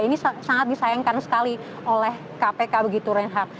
ini sangat disayangkan sekali oleh kpk begitu reinhardt